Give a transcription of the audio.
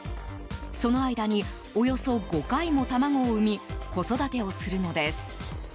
その間に、およそ５回も卵を産み子育てをするのです。